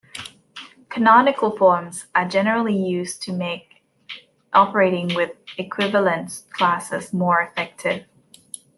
Canonical forms are generally used to make operating with equivalence classes more effective.